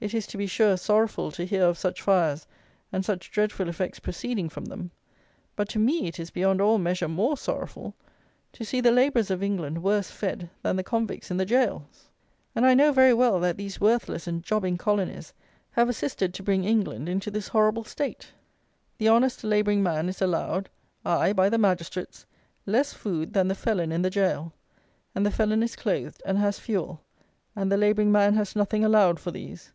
It is, to be sure, sorrowful to hear of such fires and such dreadful effects proceeding from them; but to me it is beyond all measure more sorrowful to see the labourers of England worse fed than the convicts in the gaols; and I know very well that these worthless and jobbing colonies have assisted to bring England into this horrible state. The honest labouring man is allowed (aye, by the magistrates) less food than the felon in the gaol; and the felon is clothed and has fuel; and the labouring man has nothing allowed for these.